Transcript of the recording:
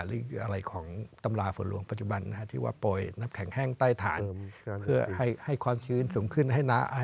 หรืออะไรของตำราฝนหลวงปัจจุบันที่ว่าโปรยน้ำแข็งแห้งใต้ฐานเพื่อให้ความชื้นสูงขึ้นให้นะ